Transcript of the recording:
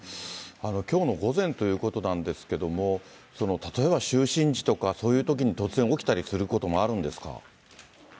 きょうの午前ということなんですけれども、例えば就寝時とか、そういうときに突然起きたりすることもあるんですか？